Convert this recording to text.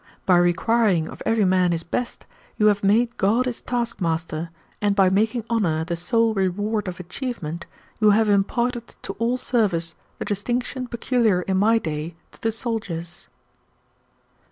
By requiring of every man his best you have made God his task master, and by making honor the sole reward of achievement you have imparted to all service the distinction peculiar in my day to the soldier's.